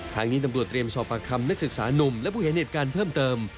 ทางนี้ตำรวจเตรียมสอบปากคำนักศึกษานุ่มและผู้เห็นเหตุการณ์เพิ่มเติม